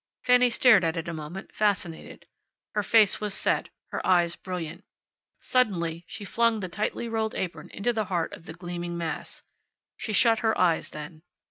Fanny stared at it a moment, fascinated. Her face was set, her eyes brilliant. Suddenly she flung the tightly rolled apron into the heart of the gleaming mass. She shut her eyes then.